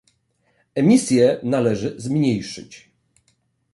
emisje należy zmniejszyć